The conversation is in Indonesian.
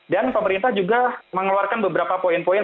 dan pemerintah juga mengeluarkan beberapa poin poin